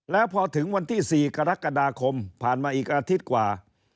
แล้วพอถึงวันที่๔กรกฎาคมผ่านมาอีกอาทิตย์กว่า